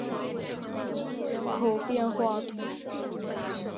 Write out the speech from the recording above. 杜伊人口变化图示